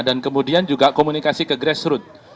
dan kemudian juga komunikasi ke grassroot